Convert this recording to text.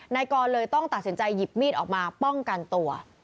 นายกรเลยต้องตัดสินใจหยิบมีดออกมาป้องกันตัว